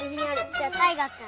じゃあたいがくん。